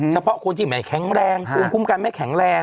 เฉพาะคนที่ไม่แข็งแรงภูมิคุ้มกันไม่แข็งแรง